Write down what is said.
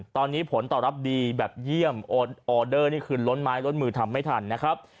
ตอนนี้ผลตอบรับดีแบบเยี่ยมออเดอร์นี่คือล้นไม้ล้นมือทำไม่ทันนะครับ